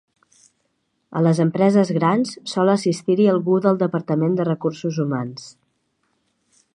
A les empreses grans sol assistir-hi algú del departament de recursos humans.